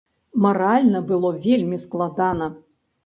Маральна было вельмі складана.